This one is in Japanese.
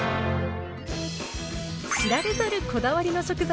知られざるこだわりの食材。